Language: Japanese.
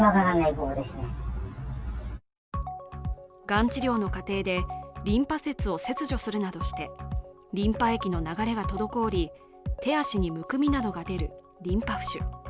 がん治療の過程で、リンパ節を切除するなどして、リンパ液の流れが滞り手足にむくみなどが出るリンパ浮腫。